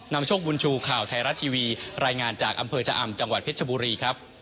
นำโชคบุญชูข่าวไทยรัฐทีวีรายงานจากอำเภอชะอำจังหวัดเพชรชบุรีครับ